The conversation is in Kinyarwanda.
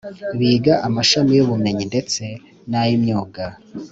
Biga amashami y’ubumenyi ndetse n’ay’imyuga